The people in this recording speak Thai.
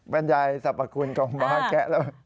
บรรยายสรรพคุณของม้าแกะแล้ว